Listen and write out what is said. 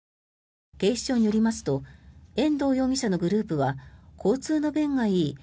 警視庁によりますと遠藤容疑者のグループは交通の便がいい